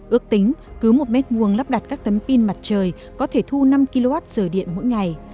ước tính cứ một m hai lắp đặt các tấm pin mặt trời có thể thu năm kwh điện mỗi ngày